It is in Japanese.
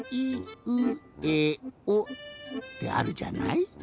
ってあるじゃない？